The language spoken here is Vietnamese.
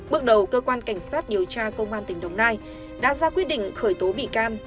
bước đầu cơ quan cảnh sát điều tra công an tỉnh đồng nai đã ra quyết định khởi tố bị can